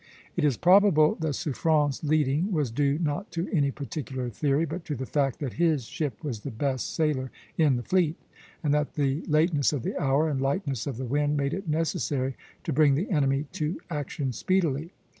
It is probable that Suffren's leading was due not to any particular theory, but to the fact that his ship was the best sailer in the fleet, and that the lateness of the hour and lightness of the wind made it necessary to bring the enemy to action speedily.